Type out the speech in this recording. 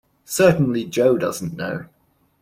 Certainly Jo doesn't know.